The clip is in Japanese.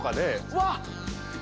うわっ。